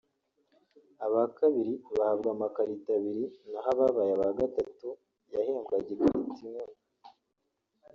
aba kabiri bahabwa amakarito abiri naho ababaye aba gatatu yahembwaga ikarito imwe